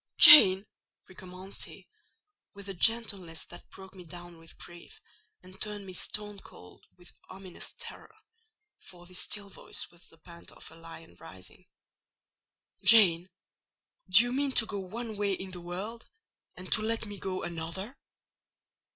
"Jane!" recommenced he, with a gentleness that broke me down with grief, and turned me stone cold with ominous terror—for this still voice was the pant of a lion rising—"Jane, do you mean to go one way in the world, and to let me go another?"